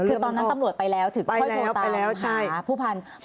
คือตอนนั้นตำรวจไปแล้วถึงค่อยโทรตามหาผู้พันธุ์